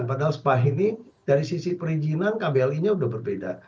padahal spa ini dari sisi perizinan kbli nya sudah berbeda